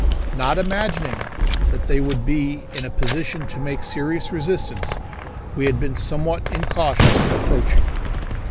Not imagining that they would be in a position to make serious resistance, we had been somewhat incautious in approaching.